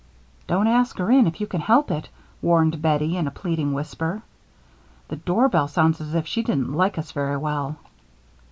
"Don't ask her in if you can help it," warned Bettie, in a pleading whisper. "The doorbell sounds as if she didn't like us very well."